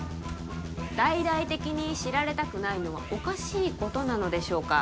大々的に知られたくないのはおかしいことなのでしょうか？